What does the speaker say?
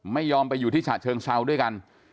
ไม่ยอมไปอยู่ที่ฉะเชิงเซาด้วยกัน